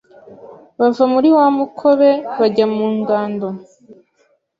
bava muri wa mukobe bajya mu ngando